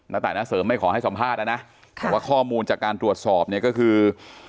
ตายณเสริมไม่ขอให้สัมภาษณ์นะนะแต่ว่าข้อมูลจากการตรวจสอบเนี่ยก็คือ